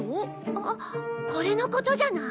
あっこれのことじゃない？